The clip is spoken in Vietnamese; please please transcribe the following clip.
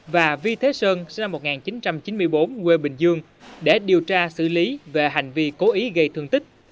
và vi thế sơn sinh năm một nghìn chín trăm chín mươi bốn quê bình dương để điều tra xử lý về hành vi cố ý gây thương tích